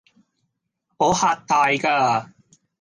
我嚇大㗎